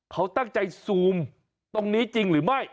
เขาตั้งใจซูมตรงนี้จริงหรือไม่